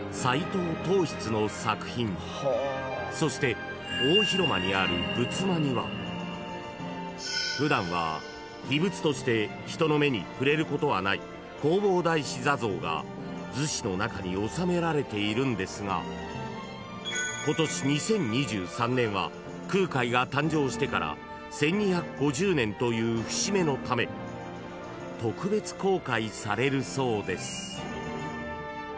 ［そして大広間にある仏間には普段は秘仏として人の目に触れることはない弘法大師坐像が厨子の中に納められているんですが今年２０２３年は空海が誕生してから１，２５０年という節目のため特別公開されるそうです］